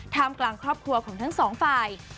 กลางครอบครัวของทั้งสองฝ่าย